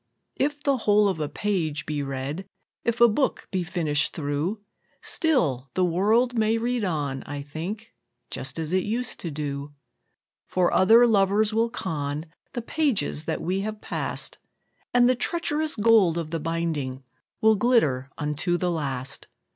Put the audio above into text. II. If the whole of a page be read, If a book be finished through, Still the world may read on, I think, Just as it used to do; For other lovers will con The pages that we have passed, And the treacherous gold of the binding Will glitter unto the last.